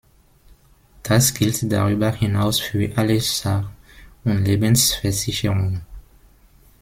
Das gilt darüber hinaus für alle Sach- und Lebensversicherungen.